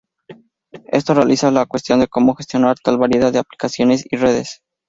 Esto realza la cuestión de como gestionar tal variedad de aplicaciones y redes.